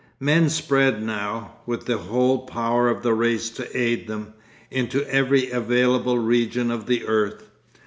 Men spread now, with the whole power of the race to aid them, into every available region of the earth.